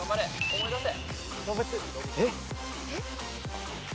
思い出せ。